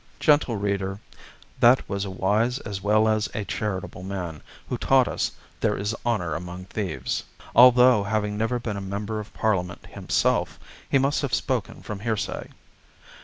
Gentle reader, that was a wise as well as a charitable man who taught us there is honour among thieves; although, having never been a member of Parliament himself, he must have spoken from hearsay.